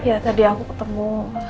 iya tadi aku ketemu